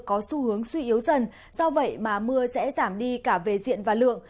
có xu hướng suy yếu dần do vậy mà mưa sẽ giảm đi cả về diện và lượng